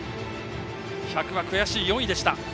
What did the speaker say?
１００は悔しい４位でした。